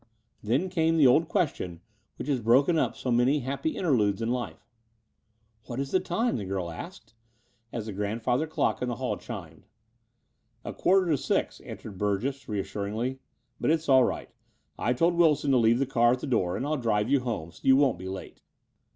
Then came the old question which has broken up so many happy interludes in life. "What is the time?" the girl asked, as the grandfather dock in the hall chimed. *'A quarter to six," answered Burgess re assuringly; "but it's all right. I told Wilson to leave the car at the door, and I'll drive you home: so you won't be late."